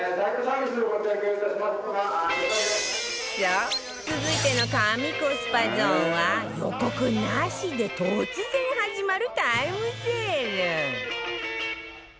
そう続いての神コスパゾーンは予告なしで突然始まるタイムセール